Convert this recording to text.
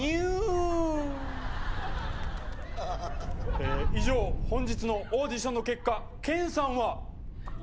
「えっ以上本日のオーディションの結果健さんは」